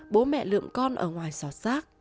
bố mẹ lượm con ở ngoài sọt xác